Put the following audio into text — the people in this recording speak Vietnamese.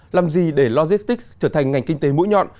làm gì để logistics trở thành ngành kinh tế mũi nhọn